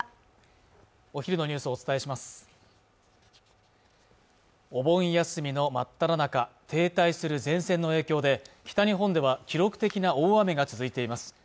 お昼のニュースをお伝えしますお盆休みの真っただ中停滞する前線の影響で北日本では記録的な大雨が続いています